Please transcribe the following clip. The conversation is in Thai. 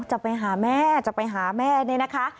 จะไปหาแม่จะไปหาแม่นี่นะคะ